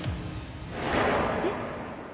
えっ？